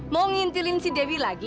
mau ngintilin si dewi lagi